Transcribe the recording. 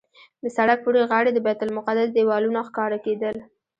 د سړک پورې غاړې د بیت المقدس دیوالونه ښکاره کېدل.